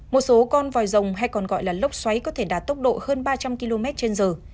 một số con vòi rồng hay còn gọi là lốc xoáy có thể đạt tốc độ hơn ba trăm linh km trên giờ